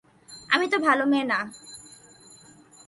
আমি তো ভালো মেয়ে না।